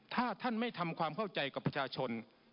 ถ้าท่านไม่ทำความเข้าใจกับประชาชน